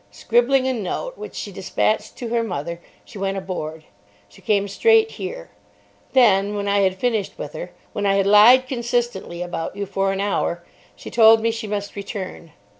Scribbling a note, which she despatched to her mother, she went aboard. She came straight here. Then, when I had finished with her, when I had lied consistently about you for an hour, she told me she must return.